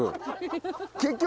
結局。